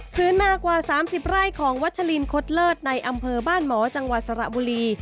นากว่า๓๐ไร่ของวัชลิมคดเลิศในอำเภอบ้านหมอจังหวัดสระบุรี